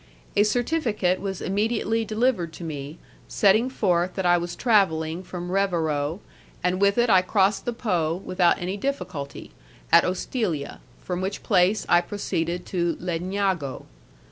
A certificate was immediately delivered to me, setting forth that I was travelling from Revero, and with it I crossed the Po, without any difficulty, at Ostiglia, from which place I proceeded to Legnago.